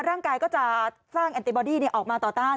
ร่างกายก็จะสร้างแอนติบอดี้ออกมาต่อต้าน